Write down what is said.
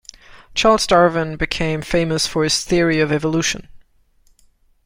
Charles Darwin became famous for his theory of evolution.